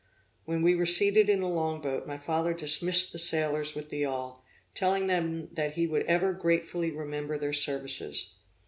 When we were seated in the long boat, my father dismissed the sailors with the yawl, telling them he would ever gratefully remember their services.